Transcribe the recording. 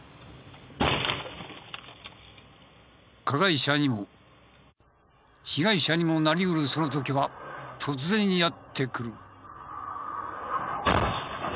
加害者にも被害者にもなり得るその時は突然やって来る。